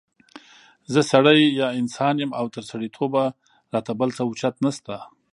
زه سړی یا انسان يم او تر سړیتوبه را ته بل څه اوچت نشته